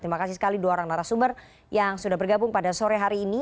terima kasih sekali dua orang narasumber yang sudah bergabung pada sore hari ini